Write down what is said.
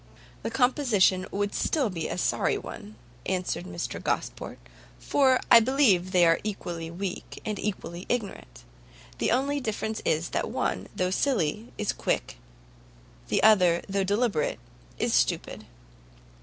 "The composition would still be a sorry one," answered Mr Gosport, "for I believe they are equally weak, and equally ignorant; the only difference is, that one, though silly, is quick, the other, though deliberate, is stupid.